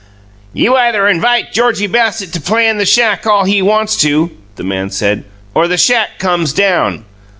"You either invite Georgie Bassett to play in the shack all he wants to," the man said, "or the shack comes down."